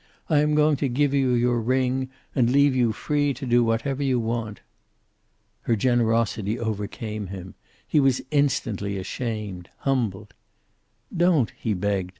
I am going to give you your ring, and leave you free to do whatever you want." Her generosity overcame him. He was instantly ashamed, humbled. "Don't!" he begged.